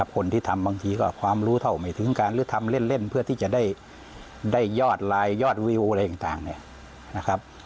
คนที่ทำบางทีก็ความรู้เท่าไม่ถึงการหรือทำเล่นเพื่อที่จะได้ยอดไลน์ยอดวิวอะไรต่างเนี่ยนะครับ